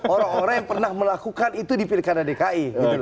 orang orang yang pernah melakukan itu di pilkada dki